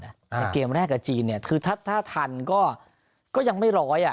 ในเกมแรกกับจีนเนี่ยคือถ้าทันก็ยังไม่ร้อยอ่ะ